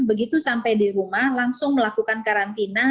begitu sampai di rumah langsung melakukan karantina